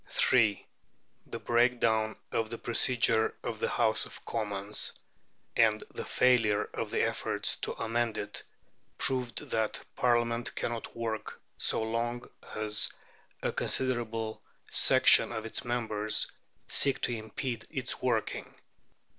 3. The break down of the procedure of the House of Commons, and the failure of the efforts to amend it, proved that Parliament cannot work so long as a considerable section of its members seek to impede its working.